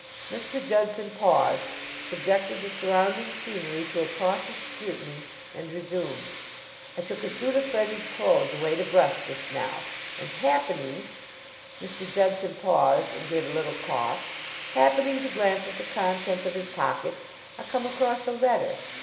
Mr. Judson paused, subjected the surrounding scenery to a cautious scrutiny and resumed. "I took a suit of Freddie's clothes away to brush just now; and happening" Mr. Judson paused and gave a little cough "happening to glance at the contents of his pockets I come across a letter.